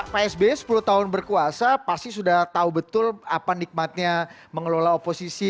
pak sby sepuluh tahun berkuasa pasti sudah tahu betul apa nikmatnya mengelola oposisi